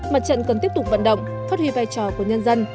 mặt trận cần tiếp tục vận động phát huy vai trò của nhân dân